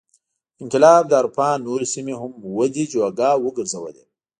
انقلاب د اروپا نورې سیمې هم ودې جوګه وګرځولې.